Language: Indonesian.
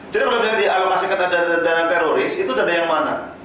jadi kalau di alokasi dana teroris itu dana yang mana